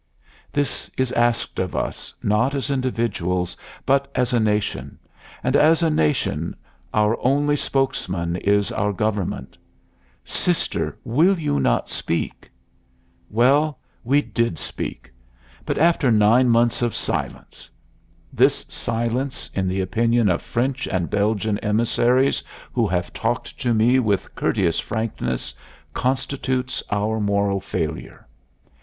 _ This is asked of us not as individuals but as a nation; and as a nation our only spokesman is our Government: "Sister, will you not speak?" Well we did speak; but after nine months of silence. This silence, in the opinion of French and Belgian emissaries who have talked to me with courteous frankness, constitutes our moral failure.